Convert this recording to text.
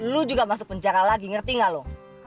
lo juga masuk penjara lagi ngerti gak lo